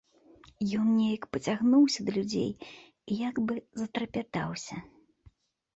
Ён нейк пацягнуўся да людзей і як бы затрапятаўся.